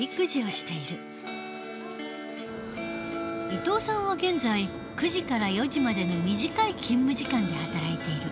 伊藤さんは現在９時から４時までの短い勤務時間で働いている。